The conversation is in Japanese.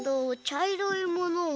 ちゃいろいもの。